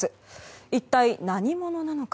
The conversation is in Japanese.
一体何者なのか。